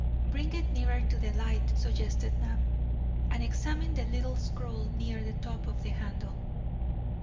"Bring it nearer to the light," suggested Knapp, "and examine the little scroll near the top of the handle."